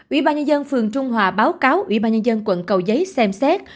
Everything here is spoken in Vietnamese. ủy ban nhân dân phường trung hòa báo cáo ủy ban nhân dân quận cầu giấy xem xét